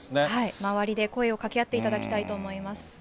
周りで声をかけ合っていただきたいと思います。